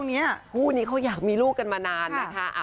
เพราะให้เขาก็อยากมีลูกกันมานานนะคะ